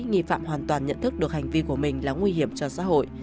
nghi phạm hoàn toàn nhận thức được hành vi của mình là nguy hiểm cho xã hội